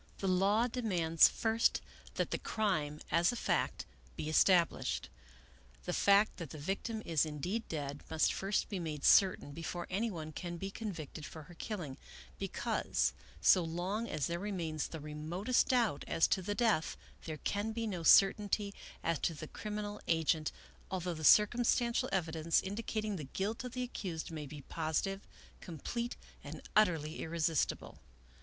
The law demands, first, that the crime, as a fact, be established. The fact that the victim is indeed dead must first be made certain before anyone can be convicted for her killing, because, so long as there remains the re motest doubt as to the death, there can be no certainty as to the criminal agent, although the circumstantial evidence indicating the guilt of the accused may be positive, com 90 Melville Davisson Post plete, and utterly irresistible.